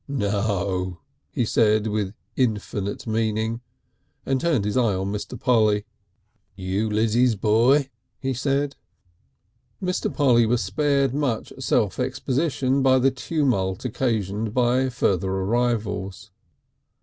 "No," he said with infinite meaning, and turned his eye on Mr. Polly. "You Lizzie's boy?" he said. Mr. Polly was spared much self exposition by the tumult occasioned by further arrivals.